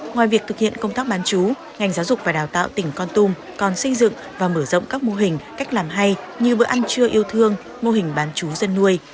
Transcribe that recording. ngoài việc thực hiện công tác bán chú ngành giáo dục và đào tạo tỉnh con tum còn xây dựng và mở rộng các mô hình cách làm hay như bữa ăn trưa yêu thương mô hình bán chú dân nuôi